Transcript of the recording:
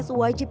yjt dan lks